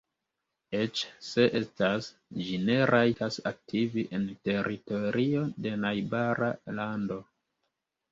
Eĉ se estas, ĝi ne rajtas aktivi en teritorio de najbara lando.